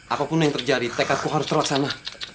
apapun yang terjadi tekadku harus terlaksana